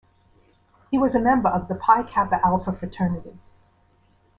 He was a member of the Pi Kappa Alpha fraternity.